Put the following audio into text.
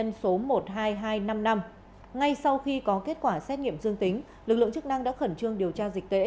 ngay sau khi có kết quả xét nghiệm dương tính lực lượng chức năng đã khẩn trương điều tra dịch tễ